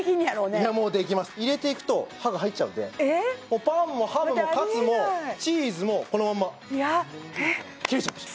いやもうできます入れていくと刃が入っちゃうんでパンもハムもカツもチーズもこのまんま切れちゃいました